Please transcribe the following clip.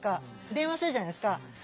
電話するじゃないですか。